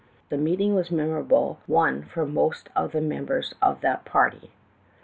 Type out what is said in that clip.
"The meeting was a memorable one for most of the members of that party.